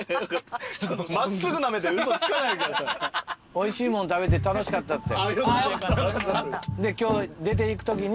おいしいもん食べて楽しかったって。